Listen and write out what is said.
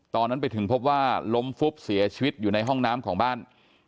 ตอนนั้นไปถึงพบว่าล้มฟุบเสียชีวิตอยู่ในห้องน้ำของบ้าน